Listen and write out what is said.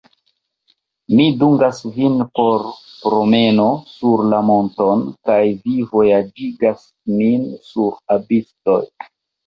Mi dungas vin por promeno sur la monton, kaj vi vojaĝigas min sur abismoj!